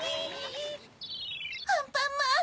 アンパンマン！